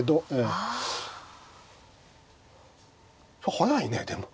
速いねでも。